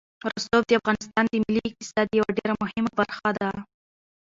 رسوب د افغانستان د ملي اقتصاد یوه ډېره مهمه برخه ده.